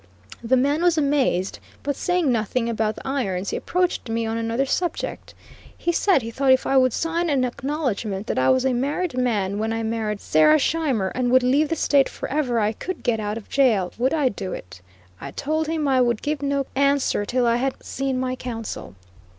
The man was amazed; but saying nothing about the irons, he approached me on another subject. He said he thought if I would sign an acknowledgment that I was a married man when I married Sarah Scheimer, and would leave the State forever, I could get out of jail; would I do it? I told him I would give no answer till I had seen my counsel.